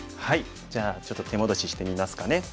じゃあちょっと手戻ししてみますかね。